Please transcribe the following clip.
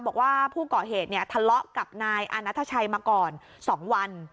บอกว่าผู้ก่อเหตุเนี่ยทะเลาะกับนายอานัทชัยมาก่อน๒วัน